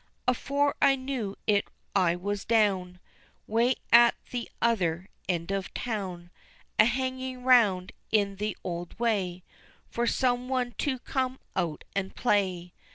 Afore I knew it I was down Way at the other end of town, A hangin' round in the old way For some one to come out an' play.